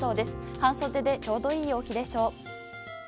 半袖でちょうどいい陽気でしょう。